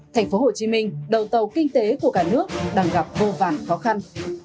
thành phố hồ chí minh đầu tàu kinh tế của cả nước đang gặp vô vàn khó khăn